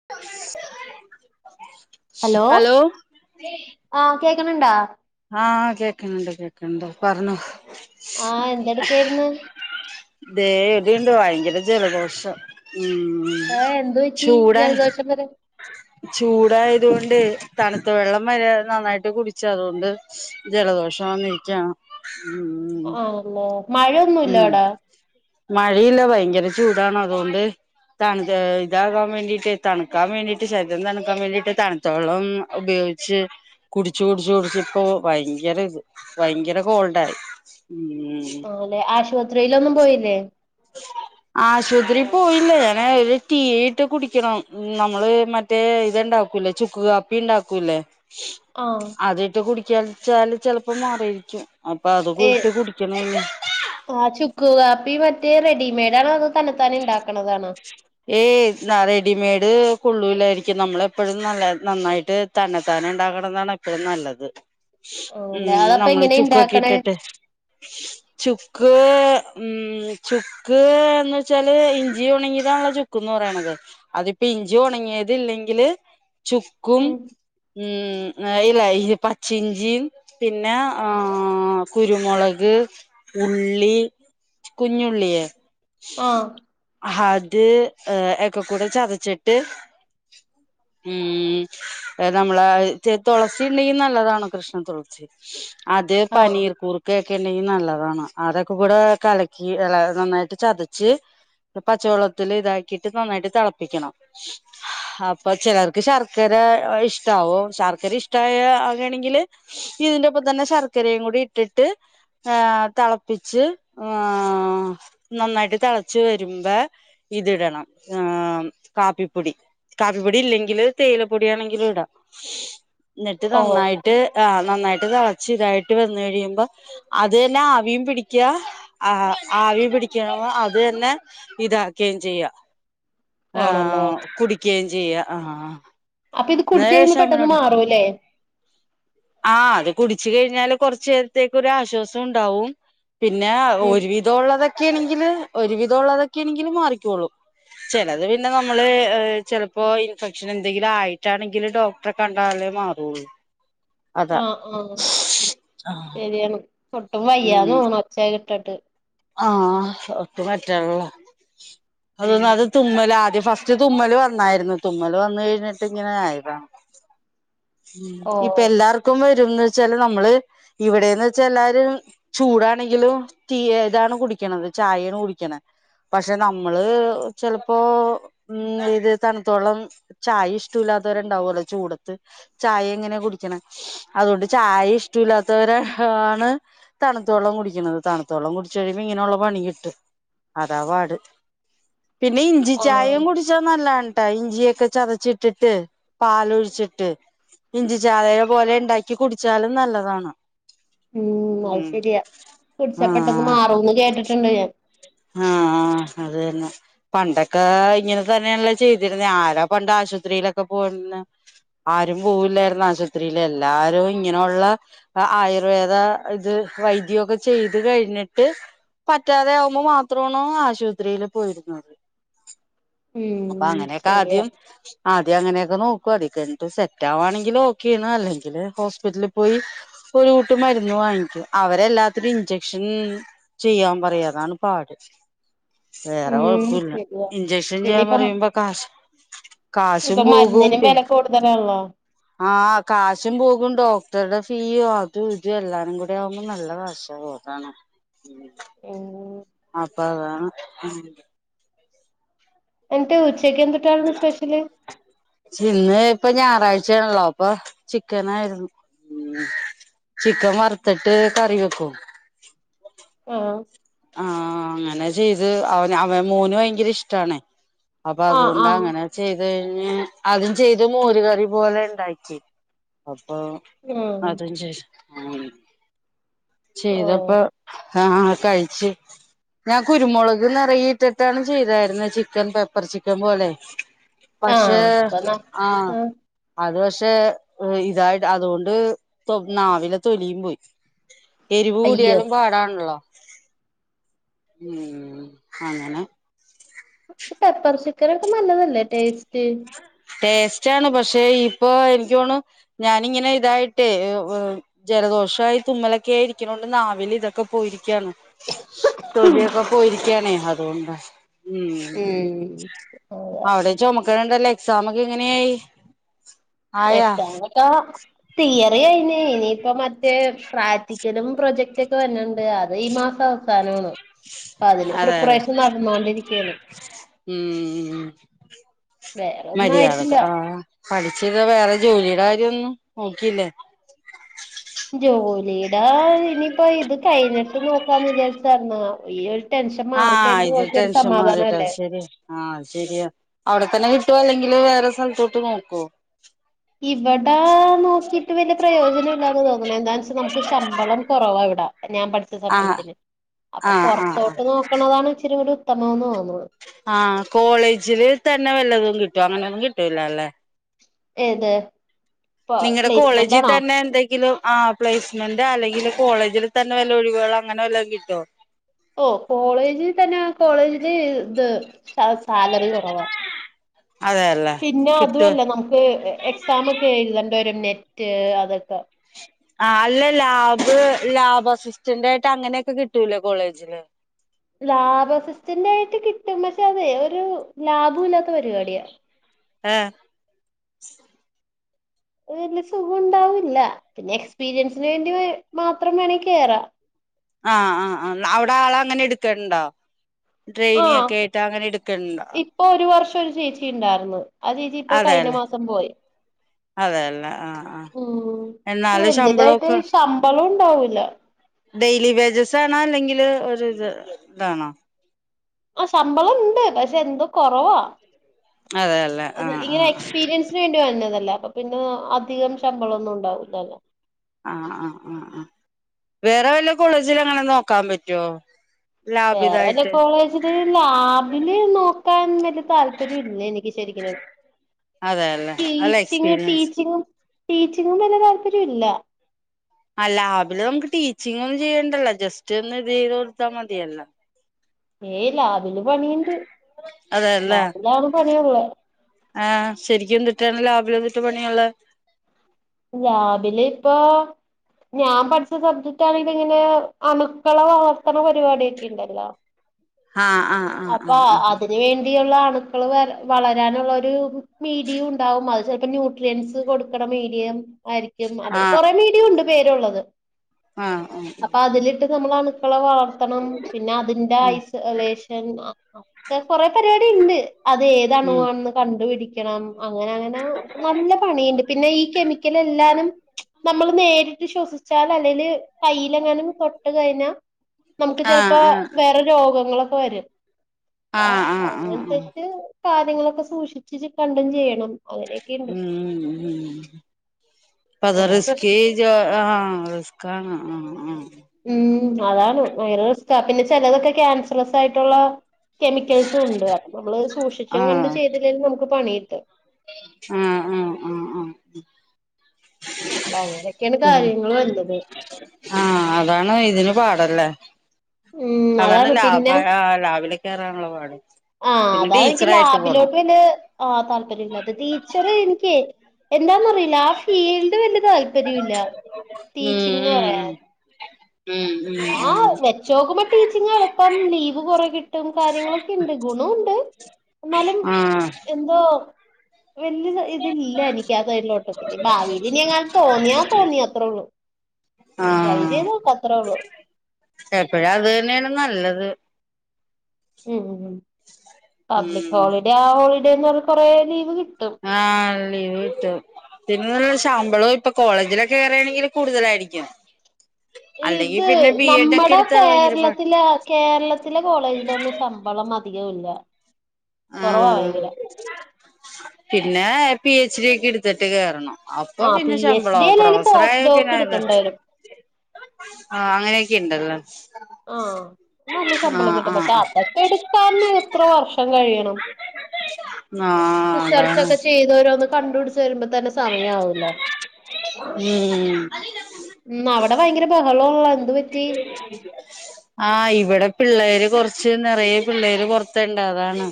[inaudible] Hello ആ കേക്ണ് ണ്ടോ ആഹ് കേക്കണ് ണ്ട് കേക്കണ് ണ്ട് പറഞ്ഞൊ ആഹ് എന്തടുക്കെയിരുന്ന് ദേ എടുണ്ട് ഭയങ്കര ജലദോഷം ഉം ഉം ആഹ് എന്ത് പറ്റി ചൂടാണ് ജലദോഷം വരാൻ ചൂടായതുകൊണ്ട് തണുത്ത വെള്ളം വരെ നന്നായിട്ട് കുടിച്ച അതുകൊണ്ട് ജലദോഷം വന്നിരിക്കാണ് ഉം ആഹ് ലെ മഴയൊന്നുല്ല ഉം അടാ മഴയില്ല ഭയങ്കര ചൂടാണ് അതുകൊണ്ട് തണു ഏഹ് ഇതാകാൻ വേണ്ടീട്ട് തണുക്കാൻ വേണ്ടിട്ട് ശരീരം തണുക്കാൻ വേണ്ടിയിട്ട് തണു ത്തള്ളം ഉപയോഗിച്ച് കുടച്ച് കുടിച്ചു കുടിച്ച് ഇപ്പോ ഭയങ്കര ഇത് ഭയങ്കര കോൾഡായി ഉം ആഹ് ല്ലെ ആശുപത്രിയിലൊന്നും പോയില്ലേ ആശുപത്രി പോയില്ലേ ഇങ്ങനെ ഒരു ടീയിട്ട് കുടിക്കണം നമ്മള് മ മറ്റേ ഇത്ണ്ടാക്കൂലേ ചുക്ക് കാപ്പി ഇണ്ടാക്കൂലേ ആഹ് അതിട്ട് കുടിക്കാച്ചാല് ചെലപ്പോ മാറുയിരിക്കും അപ്പ അത് ഏ ഇട്ട് കുടിക്കണെന്നു ആഹ് ചുക്ക് കാപ്പി മറ്റേ റെഡിമെയ്ഡ് ആണോ അതോ തന്നെ താന്നെ ഉണ്ടാക്ക്ണതാണോ ഏയ് ന്ന റെഡിമെയഡ് കൊള്ളൂലായിരിക്കും നമ്മള് എപ്പോഴും നല്ല നന്നായിട്ട് തന്നെത്താനെ ഇണ്ടാക്കണതാണ് എപ്പഴും നല്ലത് ആണല്ലേ ഉം അതപ്പ നമ്മള് എങ്ങനെ ചുക്കൊക്കെ ഇണ്ടാക്കണേ ഇട്ടിട്ട് ചുക്ക് ഉം ചുക്ക് ചുക്ക് എന്ന് വെച്ചാല് ഇഞ്ചി ഉണങ്ങിതാണ ചുക്കന്ന് പറയണത് അതിപ്പോ ഇഞ്ചി ഉണങ്ങിയത് ഇല്ലെങ്കില് ചുക്കും ഉം ഉം ഇല്ല ഈ പച്ച ഇഞ്ചിയും പിന്നെ ആഹ് കുരുമുളക് ഉള്ളി കുഞ്ഞുള്ളിയെ ആഹ് ഹത് ഏഹ് എക്കെക്കൂടെ ചതച്ചിട്ട് ഉം ഏഹ് നമ്മള തൊളസി ഉണ്ടെങ്കി നല്ലതാണ് കൃഷ്ണ തുളസി അത് ആഹ് പനീർക്കൂർ ക്കെക്കെ ഇണ്ടെങ്കി നല്ലതാണ് അതൊക്കെ കൂടെ കലക്കി അല്ല നന്നായിട്ട് ചതച്ച് ഇത് പച്ചവെള്ളത്തില് ഇതാക്കിട്ട് നന്നായിട്ട് തെളപ്പിക്കണം ഹപ്പൊ ചിലർക്ക് ശർക്കര ഇഷ്ട്ടാവും ശർക്കര ഇഷ്ട്ടായ ആകണെങ്കില് ഇതിന്റെ ഒപ്പം തന്നെ ശർക്കരയും കൂടി ഇട്ടിട്ട് ആഹ് തെളപ്പിച്ച് ആഹ് നന്നായിട്ട് തെളച്ച് വെരുമ്പാ ഇതിടണം ആഹ് കാപ്പിപ്പൊടി കാപ്പിപ്പൊടി ഇല്ലെങ്കില് തേയിലപ്പൊടി ആണെങ്കിലും ഇടാം ന്നട്ട് ഓ നന്നായിട്ട് ആഹ് നന്നായിട്ട് തെളച്ച് ഇതായിട്ട് വന്ന് കഴിയുമ്പോ അത് തന്നെ ആവിയും പിടിക്ക്യ ആഹ് ആവിയും പിടിക്കണ അത് തന്നെ ഇതാക്കുകയും ചെയ്യ ആണല്ലേ ആഹ് കുടിക്കുകയും ചെയ്യ ആഹ് അപ്പൊ ഇത് ഞാൻ കുടിച്ച് കഴിയുമ്പോ ചോദിച്ചു പെട്ടെന്ന് മാറൂല്ലേ ആഹ് അത് കുടിച്ച് കഴിഞ്ഞാല് കുറച്ച് നേരത്തേക്ക് ഒരു ആശ്വാസം ഉണ്ടാവും പിന്നെ ഉം ഒരുവിധം ള്ളൊതൊക്കെണെങ്കില് ഒരുവിധം ള്ളൊതൊക്കെണെങ്കിൽ മാറിക്കോളും ചെലത് പിന്നെ നമ്മള് ഏഹ് ചെലപ്പോ ഇൻഫെക്ഷൻ എന്തെങ്കിലും ആയിട്ടാണെങ്കിൽ ഡോക് ക്ട്രറെ കണ്ടാലേ മാറുള്ളൂ അതാ ആഹ് ആഹ് ശരിയാണ് ഒട്ടും വയ്യാന്ന് തോന്നുന്നു ഒച്ച കേട്ടിട്ട് ആഹ് ഒട്ടും പറ്റ്ണ്ല്ല ഉം അതൊന്ന് അത് തുമ്മലാദ്യം ഫസ്റ്റ് തുമ്മല് വന്നായിരുന്നു തുമ്മൽ വന്നു കഴിഞ്ഞിട്ട് ഇങ്ങനെ ആയിതാണ് ഉം ഓ ഇപ്പൊ എല്ലാർ ക്കും വരുംന്ന് വെച്ചാല് നമ്മള് ഇവിടെന്ന് വെച്ചാൽ എല്ലാരും ചൂടാണെങ്കിലും [unintelligible] ഇതാണ് കുടിക്കണത് ചായാണ് കുടിക്കണെ പക്ഷെ നമ്മള് ചെലപ്പോ ഉം ഇത് തണുത്ത വെള്ളം ചായ ഇഷ്ടംല്ലാത്തവരുണ്ടാവൊല്ലോ ചൂടത്ത് ചായ എങ്ങനെ കുടിക്കണെ അതുകൊണ്ട് ചായ ഇഷ്ടം ഇല്ലാത്തവരെ ആണ് തണുത്ത വള്ളം കുടിക്കണത് തണുത്ത വള്ളം കുടി ച്ച് കഴിയുമ്പോ ഇങ്ങനെയുള്ള പണി കിട്ടും അതാ പാട് പിന്നെ ഇഞ്ചി ചയേം ആഹ് കുടി ച്ചാ നല്ലാണ് ട്ടാ ഇഞ്ചിയൊക്കെ ചതച്ചിട്ടിട്ട് പാലൊഴിച്ചിട്ട് ഇഞ്ചി ചായേടെ പോലെ ഉണ്ടാക്കി കുടിച്ചാലും നല്ലതാണ് ഉം അത് ശരിയാ കുടിച്ചാ പെട്ടൊന്ന് ആഹ് മാറുംന്ന് കേട്ടിട്ടുണ്ട് ഞാൻ ആഹ് അത് തന്നെ പണ്ടക്കെ ഇങ്ങനെ തന്നെയല്ലേ ചെയ്തിരുന്നെ ആരാ പണ്ട് ആശുപത്രിയിലൊക്കെ പോയിന്നെ ആരും പോവില്ലാർന്ന് ആശുപത്രിൽ എല്ലാരും ഇങ്ങനെ ഒള്ള ആയുർവേദ ഇത് വൈദ്യോക്കെ ചെയ്ത് കഴിഞ്ഞിട്ട് പറ്റാതെ ആവുമ്പോ മാ ത്രാണ് ആശുപത്രിയില് പോയിരുന്നത് ഉം അപ്പങ്ങനെക്കെ ശരിയാ ആദ്യം ആദ്യം അങ്ങനെയൊക്കെ നോക്കും അതി കിയഞ്ഞ്ട്ട് സെറ്റ് ആവാണെങ്കിൽ ഓക്കെണ് അല്ലെങ്കില് ഹോസ്പിറ്റലിൽ പോയി ഇപ്പം ഒരു കൂട്ട് മരുന്ന് വാങ്ങിക്കും അവരെല്ലാത്തിനും ഇഞ്ചെക്ഷൻ ചെയ്യാൻ പറയും അതാണ് പാട് വേറെ ഉം കൊഴപ്പുല്ല ശരിയാ ഇഞ്ചക്ഷൻ ചെയ്യാൻ പിന്നിപ്പം പറയുമ്പോ ഇപ്പം കാഷ് കാശും ഇപ്പം പോകും മരുന്നിനും വെല പിന്നെ കൂടുതലാണല്ലോ ആഹ് കാശും പോകും ഡോക്ടറ്ടെ ഫീ അതും ഇതു എല്ലാതും കൂടി ആവുമ്പോ നല്ല കാഷാ ഓഹ് അതാണ് ഏ അപ്പം അതാണ് എന്നിട്ട് ഉച്ചയ്ക്ക് എന്ത്‌ട്ടാണ് സ്പെഷ്യല് ചിന്ന് ഇപ്പം ഞായറാഴ്ചേണല്ലോ അപ്പൊ ചിക്കനായിര്ന്ന് ഉം ചിക്കൻ വറ്ത്ത്ട്ട് കറി വെക്കും ആഹ് ആഹ് ങ്ങനെ ചെയ്ത് അവന് അവൻ മോന് വയങ്കര ഇഷ്ടാണ് അപ്പൊ ആഹ് അതുകൊണ്ട് ആഹ് അങ്ങനെ ചെയ്ത് കഴിഞ്ഞ് അതും ചെയ്ത് മോരുകറി പോലെ ണ്ടാക്കി അപ്പൊ ആഹ് അതും ചേഷ ഉം ഓഹ് ചെയ്തപ്പൊ ആഹ് കൈച്ച് ഞാൻ കുരുമുളക് നിറയെട്ടിട്ടാണ് ചെയ്തായിര്ന്ന് ചിക്കൻ പെപ്പർ ചിക്കൻ പോലെ പക്ഷെ ആഹ് അപ്പൊ ന ആഹ് അത് പക്ഷെ ഇതായിട് അതുകൊണ്ട് തൊ നാവിലെ തൊലിയും പോയി എരിവ് അയ്യോ കൂടിയാലും പാടാണല്ലോ ഉം അങ്ങനെ പെപ്പർ ചിക്കനൊക്കെ നല്ലതല്ലേ ടേസ്റ്റ് ടേസ്റ്റാണ് പക്ഷേ ഇപ്പൊ എനിക്ക് തോണ് ഞാനിങ്ങനെ ഇതായിട്ടേ ഉ ഉ ജലദോഷയി തുമ്മലൊക്കെയി ഇരിക്ക്ണോണ്ട് നാവിൽ തൊക്കെ പോയിരിക്കാണ് തൊലിയൊക്കെ പോയിരിക്കാണെ അതോണ്ടാ ഉം ഉം അവിടെ ചുമക്ക്ണുണ്ടല്ലോ എക്സാം ഒക്കെ എങ്ങനയായി എക്സാം താ തിയറി കയിന് ഇനിയിപ്പ മറ്റേ പ്രാക്ടിക്കലും പ്രൊജക്റ്റ് ക്കെ വര്ന്ന്ണ്ട് അത് ഈ മാസ വസാനാണ് അപ്പ തിന് അതെല്ല പ്രിപ്പറേഷൻ നടന്നൊണ്ടിരിക്കാണ് ഉം വേറെ ഒന്നും മര്യാദക്ക് ആയിട്ടില്ല ആഹ് പഠിച്ചിത് വേറെ ജോലിടെ കാര്യോന്നും നോക്കിയില്ലേ ജോലി ടേ ഇനിയിപ്പ ഇത് കഴിഞ്ഞിട്ട് നോക്കാന്ന് വിചാരിച്ചാര്ന്ന് ഈ ടെൻഷൻ ആഹ് മാറിക്കഴിഞ്ഞിട്ട് ഇത് നോക്കിയ ഒരു ടെൻഷൻ മാറിയിട്ടത് സമാധാനല്ലേ ശരിയാ ആഹ് ശരിയാ അവിടെത്തന്നെ കിട്ടുവോ അല്ലെങ്കില് വേറെ സ്ഥലത്തോട്ട് നോക്കുവോ ഇവിടാ നോക്കിട്ട് വലിയ പ്രയോജനം ഇല്ലാന്ന് തോന്നുന്നത് എന്താ വെച്ചാൽ നമുക്ക് ശമ്പളം കുറവാ ഇവിടെ ഞാൻ പഠിച്ച ആഹ് സബ്ജക്ടിന് അപ്പ ആഹ് ആഹ് ആഹ് പൊറത്തോട്ട് നോക്കണതാണ് ഇച്ചരി കൂടി ഉത്തമംന്ന് തോന്നുണു ആഹ് കോളേജില് തന്നെ വല്ലതും കിട്ടും അങ്ങനൊന്നും കിട്ടൂല്ല ല്ലേ ഏത് നിങ്ങടെ പ്ലേസ്മെന്റ് കോളേജി ആണോ തന്നെ എന്തെങ്കിലും ആഹ് പ്ലേസ്മെന്റ അല്ലെങ്കില് കോളേജിൽ തന്നെ വല്ല ഒഴിവുകൾ അങ്ങനെ വല്ലതും കിട്ടുമോ ഓഹ് കോളേജിൽ തന്നെ കോളേജില് ഇത് സാലറി കുറവാ അതെല്ലേ പിന്നെ കിട്ടോ അതുല്ല നമക്ക് എക്സാമക്കെ എഴുതേണ്ടിവരും നെറ്റ് അതൊക്കെ ആഹ് അല്ല ലാബ് ലാബ് അസിസ്റ്റന്റ ആയിട്ട് അങ്ങനെയൊക്കെ കിട്ടൂലേ കോളേജില് ലാ ബ് അസിസ്റ്റന്റ് ആയിട്ട് കിട്ടും പക്ഷെ അതെ ഒരു ലാഭ ഇല്ലാത്ത പരിപാടിയാ ഏ വല്യയ സുഖം ഉണ്ടാവില്ല പിന്നെ എക്സ്പീരിയൻസിന് വേണ്ടി മാത്രം വേണെങ്കിൽ കേറാം ആഹ് ആഹ്ആഹ് അവിടെ ആള അങ്ങനെ എടുക്കണ്ടോ ആ ട്രെയിനി ഒക്കെ ആയിട്ട് അങ്ങനെ എടുക്കണ്ടോ ഇപ്പൊ ഒരു വർഷം ഒരു ചേച്ചി ഉണ്ടായിരുന്നു ആ ചേച്ചി ഇപ്പൊ കഴിഞ്ഞ അതെല്ലേ മാസം പോയി അതെല്ലേ ആഹ് ആഹ് ഉ എന്നാല് വലിയതായിട്ട് ശമ്പളമൊക്കെ ശമ്പളം ഉണ്ടാവൂില്ല ഡെയിലി വേജസ് ആണോ അല്ലെങ്കിൽ ഒരുത് ഇതാണോ ആഹ് ശമ്പളം ഉണ്ട് പക്ഷെ എന്തോ കൊറവാ അതെല്ലേ ആഹ് ഇങ്ങനെ ആഹ് എക്സ്പീരിയൻസ് അതിന വേണ്ടി വന്നതല്ലേ അപ്പൊ പിന്നെ അധികം ശമ്പളം ഒന്നും ഉണ്ടാവില്ലല്ലോ ആഹ് ആഹ് ആഹ് ആഹ് വേറെ വല്ല കോളേജിൽ അങ്ങനെ നോക്കാൻ പറ്റുവോ വേറെ വല കോളേജില് ലാബില് നോക്കാൻ വലിയ താല്പര്യം ഇല്ല എനിക്ക് ശരിക്കും അതെല്ലെ അല്ല എക്സ്പീരിയൻസ് ടീച്ചിങ്ങും ടീച്ചിങ്ങും വല്ല താല്പര്യം ഇല്ല ആ ലാബില് നമുക്ക് ടീച്ചിങ് ഒന്നും ചെയ്യേണ്ടല്ല ജസ്റ്റ് ഒന്ന് ഇത് ചെയ്ത് കൊടുത്താൽ മതിയല്ല ഏ ലാബില് പണിയുണ്ട് അതെല്ലേ ലാബിലാണ് പണിയുള്ളേ ആഹ് ശരിക്കും എന്തിട്ടാണ് ലാബിലൊന്തിട്ട് പണിയുള്ളത് ലാബില് ഇപ്പൊ ഞാൻ പഠിച്ച സബ്ജക്ടാ ണെങ്കിൽ ഇങ്ങനെ അണുക്കള വളർത്തന പരിപാടിയൊക്കെ ഉണ്ടല്ലോ ആഹ്ആഹ്ആഹ് ആഹ് ആഹ് ത്തിയുള്ള അണുക്കള് വളരാനുള്ള ഒരുമീഡിയം ഉണ്ടാവും അത്‌ ചെലപ്പം ന്യൂ ട്രിയൻസ് കൊടുക്കണ മീഡിയം ആയിരിക്കും അല്ലെ ആഹ് കൊറെ മീഡിയും ഉണ്ട് പേരുള്ളത് ആഹ് ആഹ് ആഹ് ആഹ് അപ്പൊ അതില് ഇട്ട് നമ്മ ള്അുക്കളെ വളർത്തണം പിന്നെ അതിന്റെ ഉം ഐസ് ലേഷൻ ഒക്കെ കൊറേ പരിപാടി ഉണ്ട് അത് ഏത് ഉം അണുവാണെന്ന് കണ്ടുപിടിക്കണം അങ്ങനെ അങ്ങനെ നല്ല പണിയുണ്ട് പിന്നെ ഈ കെമിക്കൽ എല്ലാനും നമ്മള് നേരിട്ട് ശ്വസിച്ചാൽ അല്ലെല് കൈൽ എങ്ങനെ തൊട്ട് കഴിഞ്ഞാൽ നമുക്ക് ആഹ് ചെിലപ്പോ ആഹ് വേറെ രോഗങ്ങളൊക്കെ വരും ആഹ് ആഹ് ആഹ് ആഹ് അങ്ങനത്തെ കാര്യങ്ങളൊക്കെ സൂക്ഷിച്ച് കണ്ടും ചെയ്യണം അങ്ങനെ അത അതാ റിസ്ക് പ്രശ്നം അ റിസ്കാണ് അതാണ് ഭയങ്കര പിന്നെ ചിലതൊക്കെ ക്യാൻസർലെസ് ആയിട്ടുള്ള കെമിക്കൽസും ഉണ്ട് അപ്പം നമ്മള് സൂക്ഷിച്ചും കണ്ട് ചെയ്തില്ലെിൽ നമുക്ക് പണി കിട്ടും ആഹ ആ അങ്ങനെയൊക്കെയാണ് കാര്യങ്ങൾ വരണത് ആ അതാണ് ഇതിന് പാടല്ലേ ഉം അതാണ് ലാഭ പിന്നെ കറാനുള്ള പാട് ആഹ പിന്നെ അതാണ് എനിക്ക് ടീച്ചറായിട്ട് പോണം ലാബിലോട്ട് ആ് താല്പര്യമില്ല അത് ടീച്ചറ് എനിക്ക് എന്താന്നറിയില്ല ഫീൽഡ് വലിയ താല്പര്യംല്ല ഉം ടീച്ചിങ്ന്ന് ഉം പറയാൻ ഉം ഉം വെച്ച നോക്കുമ്പോ ടീച്ചിങ്ങ എളപ്പം ലീവ് കുറ കിട്ടും കാര്യങ്ങളും ഗുണം ഉണ്ട് എന്നാലും ഉം ആഹ് എന്തോ ഇതില്ല എനിക്ക് തലോട്ടൊ ഭാവിൽ ഇനി യങ്ങാ തോന്നിയാ തോന്നിയ അത്രേ ഉള്ളൂ. ട്രൈ ചെയ്ത് നോക്ക അത്രേ ഉള്ളൂ ഏപ്പോഴും അത് തന്നെയാണ് നല്ലത്. പബ്ലിക് ഉം ഹോളിഡേ ആ ഹോളിഡേന്ന് പറ കൊറെ ലീവ് കിട്ടും. ആഹ് ലീവ് കിട്ടും. പിന്നെ ശമ്പളോം ഇപ്പൊ കോളേജിലൊക്കെ കേറേണെങ്കിൽ കൂടുതലായിരിക്കും. അല്ലെങ്കി ഇത് പിന്നെ ബി എഡ് ഒക്കെ നമ്മടെ എടുത്താൽ ഭയങ്കര പാ കേരളത്തില് കേരളത്തിലെ കോളേജിലൊന്നും ശമ്പളം അധികവുല്ല കൊറവാ ഭയങ്കര ആഹ് പിന്നെ പി എച്ച് ഡി ഒക്കെ എടുത്തിട്ട് കയറണം. അപ്പൊ ആ പിന്നെ പി എച്ച് ഡി ശമ്പളാവും അല്ലേല് പ്രൊഫസറായ പോസ്റ്റ് ഡോക്ക് പിന്നെ എടുക്കണ്ട വരും അഹ് അങ്ങനെയൊക്കെ ഇണ്ടല്ലേ ആഹ് നല്ല ശമ്പളം കിട്ടും ആഹ് [unintelligible] അതൊക്കെ എടുക്കാന്ന് എത്ര വർഷം കഴിയണം ആഹ് റിസർച്ച് അതാണ് ഒക്കെ ചെയ്ത് ഓരോന്ന് കണ്ട് പിടിച്ച് വരുമ്പോ തന്നെ സമയാവൂലോ ഉം അവടെ ഭയങ്കര ബഹളോ ആഹ് ഇവടെ പിള്ളേര് കൊറച്ച് നെറയ പിള്ളേര് പൊറത്തണ്ട് അതാണ്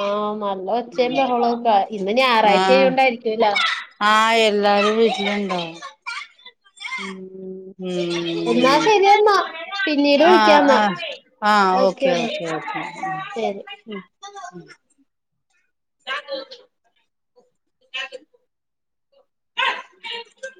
ആഹ് നല്ല ഒച്ചേം ബഹളൊക്കെ ഇന്ന് ഞായറായ്ച ആഹ് ആയോണ്ടായിരിക്കൂല്ലെ? ആഹ് എല്ലാരും വീട്ടില് ഇണ്ടാവും. എന്നാ ഉം ശെരിയെന്നാ ആഹ് ഓക്കെ ശെരി ഉം ഓക്കെ [inaudible] [inaudible] [inaudible]